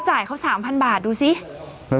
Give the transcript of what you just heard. โห้ยสงสารอ่ะ